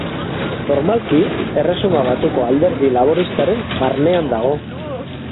Formalki, Erresuma Batuko Alderdi Laboristaren barnean dago.